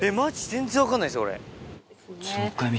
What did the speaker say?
全然分かんないです俺。